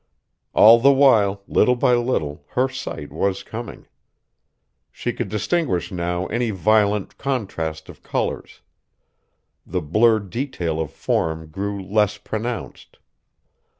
All the while, little by little, her sight was coming She could distinguish now any violent contrast of colors. The blurred detail of form grew less pronounced.